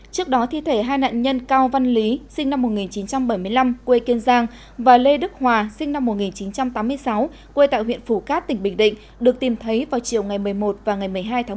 trước đó thi thể hai nạn nhân cao văn lý sinh năm một nghìn chín trăm bảy mươi năm quê kiên giang và lê đức hòa sinh năm một nghìn chín trăm tám mươi sáu quê tại huyện phủ cát tỉnh bình định được tìm thấy vào chiều ngày một mươi một và ngày một mươi hai tháng một mươi